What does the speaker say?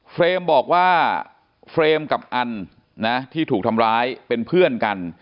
เฟรมบอกว่าเฟรมกับอันนะที่ถูกทำร้ายเป็นเพื่อนกัน